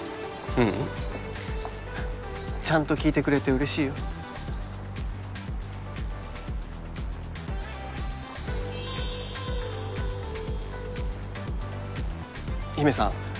ううんちゃんと聞いてくれて嬉しいよ陽芽さん